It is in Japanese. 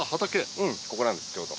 うんここなんですちょうど。